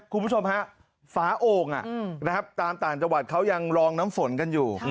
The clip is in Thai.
คุณผู้ชมฮะฝาโอ่งตามต่างจังหวัดเขายังลองน้ำฝนกันอยู่